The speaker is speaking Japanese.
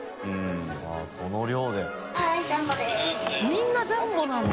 みんなジャンボなんだ。